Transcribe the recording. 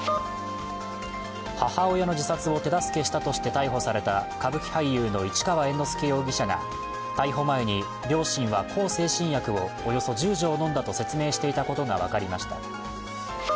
母親の自殺を手助けしたとして逮捕された歌舞伎俳優の市川猿之助容疑者が逮捕前に、両親は向精神薬をおよそ１０錠飲んだと説明していたことが分かりました。